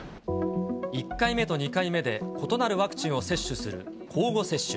１回目と２回目で、異なるワクチンを接種する交互接種。